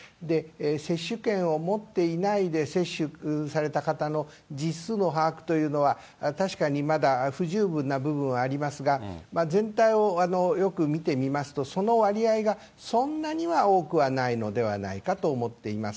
接種券を持っていないで接種された方の実数の把握というのは、確かにまだ不十分な部分はありますが、全体をよく見てみますと、その割合がそんなには多くはないのではないかと思っています。